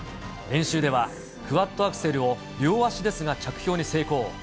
練習ではクワッドアクセルを両足ですが着氷に成功。